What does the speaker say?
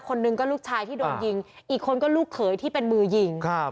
คนหนึ่งก็ลูกชายที่โดนยิงอีกคนก็ลูกเขยที่เป็นมือยิงครับ